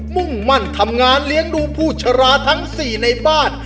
มุ่งมั่นทำงานเลี้ยงดูผู้ชราทั้ง๔ในบ้าน